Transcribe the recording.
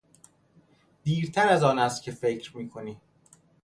دیرتر از آن است که فکر میکنی!